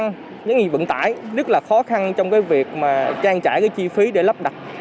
doanh nghiệp vận tải rất là khó khăn trong cái việc mà trang trải cái chi phí để lắp đặt